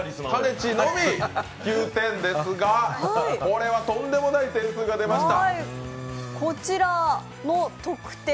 ちのみ９点ですが、これはとんでもない点数が出ました。